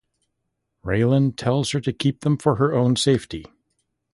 Raylan tells her to keep them for her own safety.